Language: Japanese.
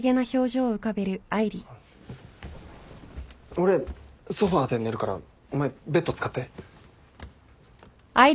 俺ソファで寝るからお前ベッド使って。